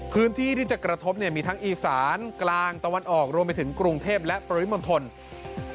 พื้นที่ที่จะกระทบเนี่ยมีทั้งอีสานกลางตะวันออกรวมไปถึงกรุงเทพและปริมณฑล